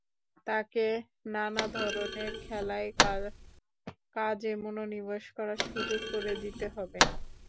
তাকে নানা ধরনের খেলায়, কাজে মনোনিবেশ করার সুযোগ করে দিতে হবে।